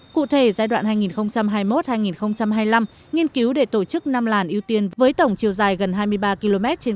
cụ thể giai đoạn hai nghìn hai mươi một hai nghìn hai mươi năm nghiên cứu để tổ chức năm làn ưu tiên với tổng chiều dài gần hai mươi ba km trên